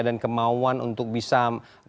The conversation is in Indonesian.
dan kemauan untuk bisa mencapai